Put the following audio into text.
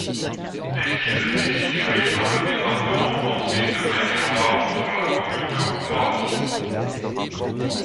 L'église est située dans le département français de Maine-et-Loire, sur la commune de Rou-Marson.